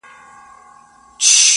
هم له پنده څخه ډکه هم ترخه ده!!